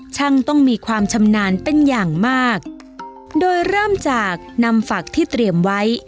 ช่างต้องมีความชำนาญเป็นอย่างมากโดยเริ่มจากนำฝักที่เตรียมไว้